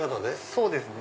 そうですね。